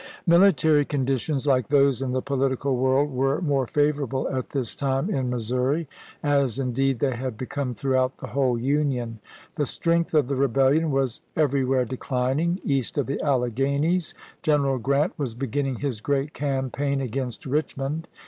Sherman, Military conditions, like those in the political world, were more favorable at this time in Mis souri ; as indeed they had become throughout the whole Union. The strength of the Rebellion was everywhere declining. East of the Alleghanies General Grant was beginning his great campaign against Richmond.